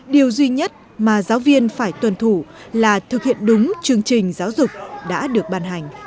điều duy nhất mà giáo viên phải tuần thủ là thực hiện đúng chương trình giáo dục đã được ban hành